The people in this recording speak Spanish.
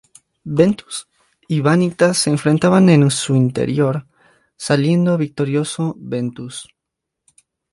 Ventus y Vanitas se enfrentan en su interior, saliendo victorioso Ventus.